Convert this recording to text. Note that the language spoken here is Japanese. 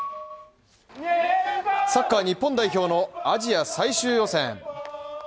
サッカー日本代表のアジア最終予選。